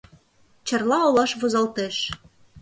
Чарла олаш возалтеш.